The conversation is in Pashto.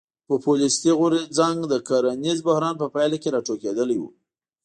پوپولیستي غورځنګ د کرنیز بحران په پایله کې راټوکېدلی و.